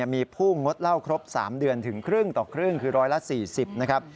มีผู้งดเหล้าครบ๓เดือนถึงครึ่งต่อครึ่งคือ๑๔๐นะครับ